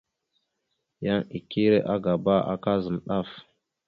Yan ikire agaba, aka zam daf.